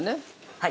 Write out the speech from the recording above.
◆はい。